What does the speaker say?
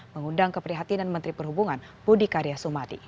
mengundang keprihatinan menteri perhubungan budi karya sumadi